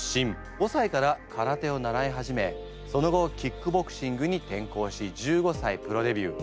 ５歳から空手を習い始めその後キックボクシングに転向し１５歳プロデビュー。